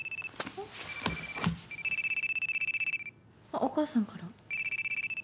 あっお母さんから。